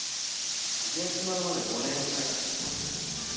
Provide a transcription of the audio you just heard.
味が決まるまで５年かかりましたね。